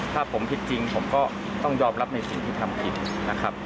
ถ้าผมผิดจริงผมก็ต้องยอมรับในสิ่งที่ทำผิดนะครับ